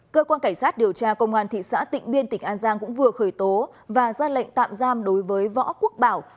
cơ quan cảnh sát điều tra công an thị xã tịnh biên tỉnh an giang cũng vừa khởi tố và ra lệnh tạm giam đối với võ quốc bảo